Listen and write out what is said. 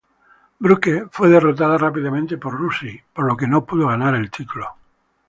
Brooke fue derrotada rápidamente por Rousey, por lo que no pudo ganar el título.